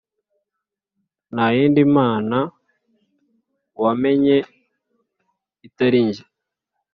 Nta yindi Mana wamenye itari jye,